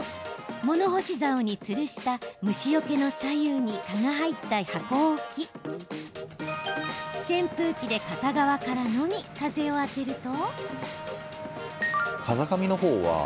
物干しざおにつるした虫よけの左右に蚊が入った箱を置き扇風機で片側からのみ風を当てると。